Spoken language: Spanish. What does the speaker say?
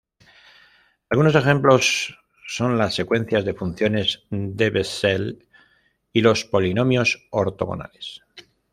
Algunos ejemplos son las secuencias de funciones de Bessel y los polinomios ortogonales.